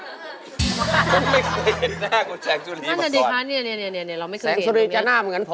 ผมไม่เคยเห็นหน้าคนแสงสุรีมาก่อน